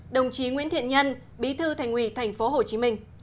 đồng chí nguyễn thiện nhân bí thư thành ủy tp hcm